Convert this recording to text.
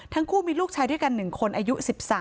ทั้งคู่มีลูกชายด้วยกัน๑คนอายุ๑๓